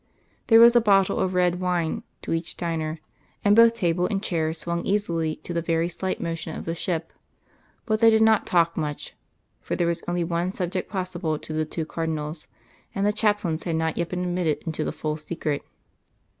There was a bottle of red wine to each diner, and both table and chairs swung easily to the very slight motion of the ship. But they did not talk much, for there was only one subject possible to the two cardinals, and the chaplains had not yet been admitted into the full secret.